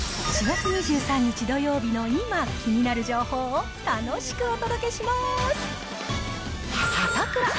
４月２３日土曜日の今、気になる情報を楽しくお届けします。